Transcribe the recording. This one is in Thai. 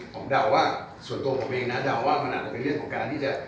ผมเดาว่าส่วนตัวผมเองนะเดาว่ามันอาจจะเป็นเรื่องของการที่จะ